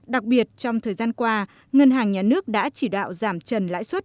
đặc biệt trong thời gian qua ngân hàng nhà nước đã chỉ đạo giảm trần lãi suất